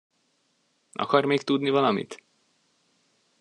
Akar még tudni valamit?